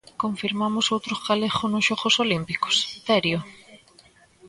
Confirmamos outro galego nos xogos olímpicos, Terio?